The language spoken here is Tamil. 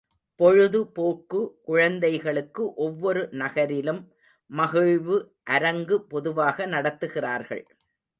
பொழுது போக்கு குழந்தைகளுக்கு ஒவ்வொரு நகரிலும் மகிழ்வு அரங்கு பொதுவாக நடத்துகிறார்கள்.